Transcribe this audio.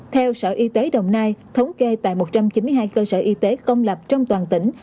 theo sở y tế đồng nai thống kê tại một trăm chín mươi hai cơ sở y tế công lập trong toàn tỉnh